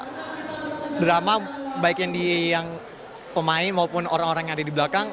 ada drama baik yang pemain maupun orang orang yang ada di belakang